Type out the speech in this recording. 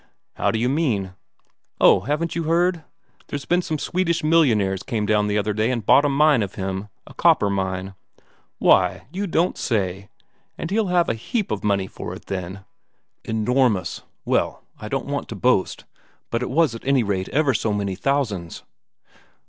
"How d'you mean?" "Oh, haven't you heard? There's been some Swedish millionaires came down the other day and bought a mine of him, a copper mine." "Why, you don't say? And he'll have got a heap of money for it, then?" "Enormous. Well, I don't want to boast, but it was at any rate ever so many thousands.